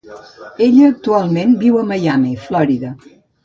Ella actualment viu a Miami, Florida.